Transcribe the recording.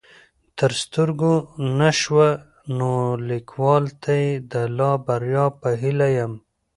تر سترګو نه شوه نو ليکوال ته يې د لا بريا په هيله يم